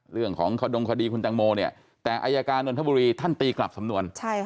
เรื่องของขดงคดีคุณแตงโมเนี่ยแต่อายการนทบุรีท่านตีกลับสำนวน